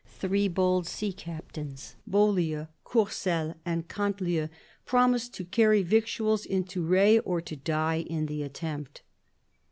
Three bold sea captains, Beaulieu, Courcelles, and Canteleu, promised to carry victuals into Re or to die in the attempt.